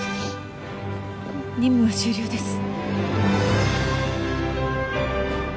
任務は終了です。